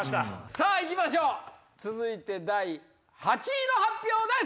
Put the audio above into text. さぁいきましょう続いて第８位の発表です！